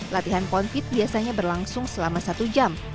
latihan pound feet biasanya berlangsung selama satu jam